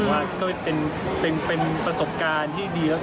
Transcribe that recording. ว่าเป็นประสบการณ์ที่ดี